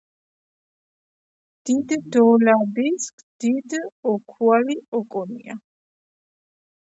დიდ დოლაბისჷ დიდ ოქუალი ოკონია